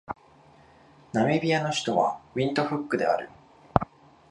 ナミビアの首都はウィントフックである